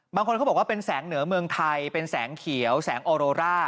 บางคนเขาบอกว่าเป็นแสงเหนือเมืองไทยเป็นแสงเขียวแสงออโรร่า